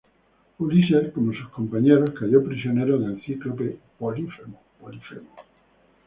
Ulises, con sus compañeros, cayó prisionero del cíclope Polifemo.